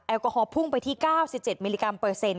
กอฮอลพุ่งไปที่๙๗มิลลิกรัมเปอร์เซ็นต